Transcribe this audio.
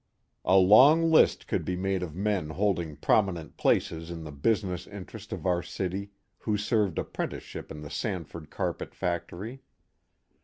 A long list could be made of men holding prominent places in the business interest of our city who served apprenticeship in the Sanford carpet factory.